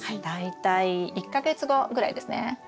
大体１か月後ぐらいですね。